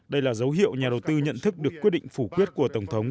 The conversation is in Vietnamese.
đây là dấu hiệu nhà đầu tư nhận thức được quyết định phủ quyết của tổng thống